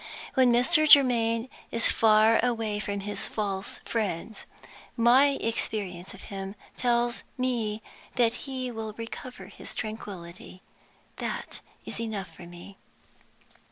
When Mr. Germaine is far away from his false friends, my experience of him tells me that he will recover his tranquillity. That is enough for me.